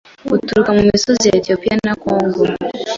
buturuka mu misozi ya Etiyopiya nakongo